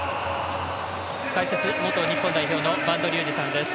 解説、元日本代表の播戸竜二さんです。